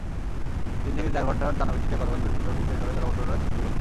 তিন থেকে চার ঘণ্টার টানা বৃষ্টিতে গতকাল বৃহস্পতিবার কুষ্টিয়া শহরে জলাবদ্ধতার সৃষ্টি হয়।